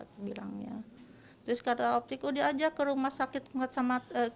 terus kata optik oh dia ajak ke rumah sakit kacamata